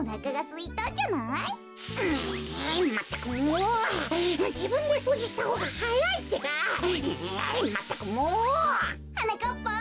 えいまったくもう！はなかっぱんあん。